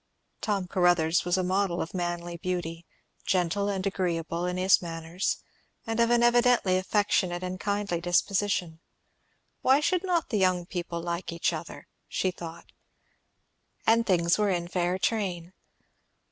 Tom Caruthers was a model of manly beauty; gentle and agreeable in his manners; and of an evidently affectionate and kindly disposition. Why should not the young people like each other? she thought; and things were in fair train.